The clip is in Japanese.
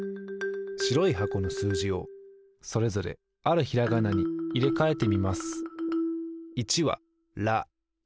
しろいはこのすうじをそれぞれあるひらがなにいれかえてみます